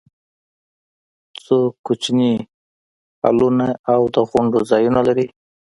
څو کوچني هالونه او د غونډو ځایونه لري.